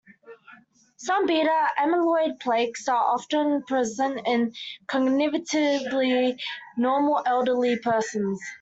Some beta amyloid plaques are often present in cognitively normal elderly persons.